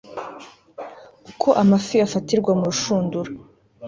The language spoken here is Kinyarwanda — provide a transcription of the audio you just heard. uko amafi afatirwa mu rushundura